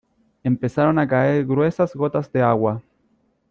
empezaron a caer gruesas gotas de agua.